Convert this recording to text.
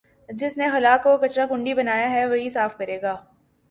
جس نے خلاکو کچرا کنڈی بنایا ہے وہی صاف کرے گا